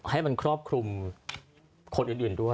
ให้มันครอบคลุมคนอื่นด้วย